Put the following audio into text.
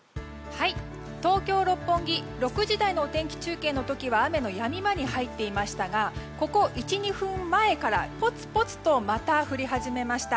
東京・六本木６時台のお天気中継の時は雨のやみ間に入っていましたがここ、１２分前からポツポツとまた降り始めました。